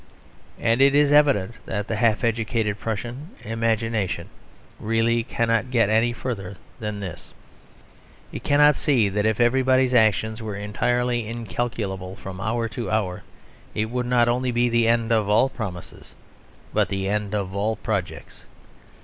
And it is evident that the half educated Prussian imagination really cannot get any further than this. It cannot see that if everybody's action were entirely incalculable from hour to hour, it would not only be the end of all promises, but the end of all projects.